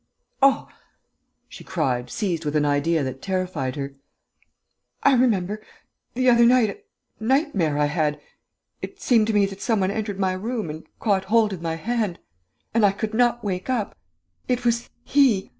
"Oh!" she cried, seized with an idea that terrified her. "I remember ... the other night ... a nightmare I had.... It seemed to me that some one entered my room and caught hold of my hand.... And I could not wake up.... It was he!